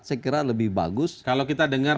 saya kira lebih bagus kalau kita dengar